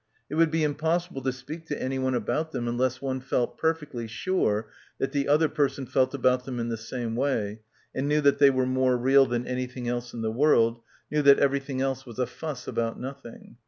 It would be impossible to speak to anyone about them unless one felt perfectly sure that the other person felt about them in the same way and knew that they were more real than anything else in the world, knew that everything else wias a fuss about noth ing.